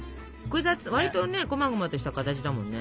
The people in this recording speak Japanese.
わりとねこまごまとした形だもんね。